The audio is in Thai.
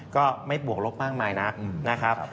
ก็ไม่บวกลบมากมายนักนะครับ